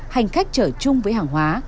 hành khách trở chung với hàng hóa